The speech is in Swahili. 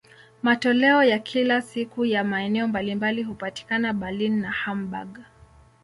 Matoleo ya kila siku ya maeneo mbalimbali hupatikana Berlin na Hamburg.